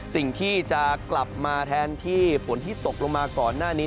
สิ่งที่จะกลับมาแทนที่ฝนที่ตกลงมาก่อนหน้านี้